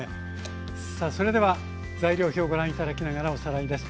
さあそれでは材料表をご覧頂きながらおさらいです。